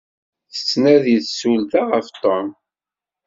Tettnadi tsulta ɣef Tom.